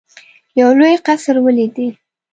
یو لوی قصر ولیدی.